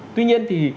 tuy nhiên thì